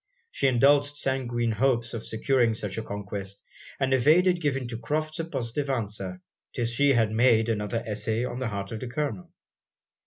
She indulged sanguine hopes of securing such a conquest; and evaded giving to Crofts a positive answer, till she had made another essay on the heart of the Colonel.